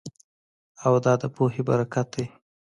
او دا د پوهې برکت دی